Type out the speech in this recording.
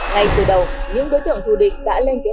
ngay từ đầu những đối tượng thù địch đã lên kế hoạch